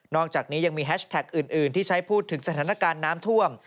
อกจากนี้ยังมีแฮชแท็กอื่นที่ใช้พูดถึงสถานการณ์น้ำท่วม